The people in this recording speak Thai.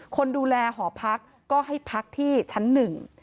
คนดูแลห่อพักก็ให้พักที่ชั้น๑